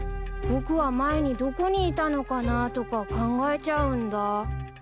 僕は前にどこにいたのかなとか考えちゃうんだ。